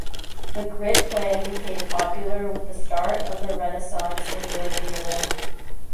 The grid plan became popular with the start of the Renaissance in Northern Europe.